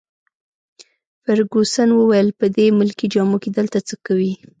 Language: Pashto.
فرګوسن وویل: په دې ملکي جامو کي دلته څه کوي؟